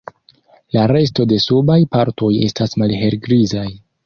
La resto de subaj partoj estas malhelgrizaj.